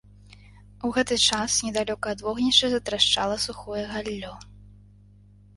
У гэты час недалёка ад вогнішча затрашчала сухое галлё.